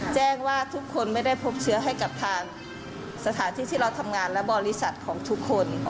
แจ้งว่าทุกคนไม่ได้พบเชื้อให้กับทางสถานที่ที่เราทำงานและบริษัทของทุกคน